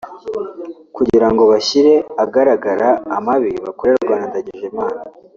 Kugira ngo bashyire agaragara amabi bakorerwa na Ndagijimana